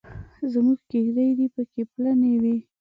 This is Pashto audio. زموږ کېږدۍ دې پکې پلنې وي.